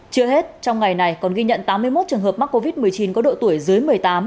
chưa hết trong ngày này còn ghi nhận tám mươi một trường hợp mắc covid một mươi chín có độ tuổi dưới một mươi tám